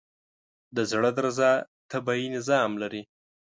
د زړه درزا طبیعي نظام لري.